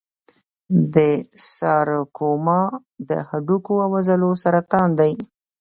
د سارکوما د هډوکو او عضلو سرطان دی.